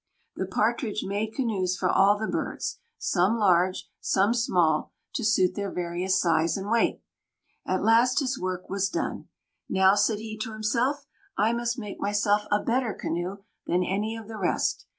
The Partridge made canoes for all the birds, some large, some small, to suit their various size and weight. At last his work was done. "Now," said he to himself, "I must make myself a better canoe than any of the rest."